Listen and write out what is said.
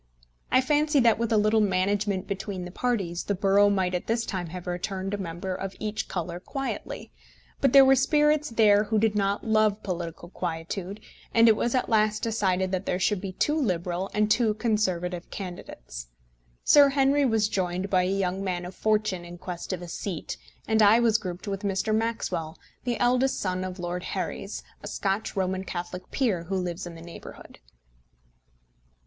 I fancy that with a little management between the parties the borough might at this time have returned a member of each colour quietly; but there were spirits there who did not love political quietude, and it was at last decided that there should be two Liberal and two Conservative candidates. Sir Henry was joined by a young man of fortune in quest of a seat, and I was grouped with Mr. Maxwell, the eldest son of Lord Herries, a Scotch Roman Catholic peer who lives in the neighbourhood.